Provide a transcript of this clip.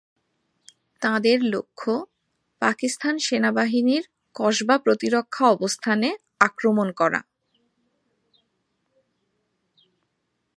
তাঁদের লক্ষ্য পাকিস্তান সেনাবাহিনীর কসবা প্রতিরক্ষা অবস্থানে আক্রমণ করা।